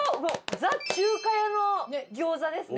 ザ・中華屋の餃子ですね。